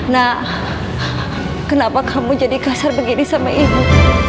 nah kenapa kamu jadi kasar begini sama ibu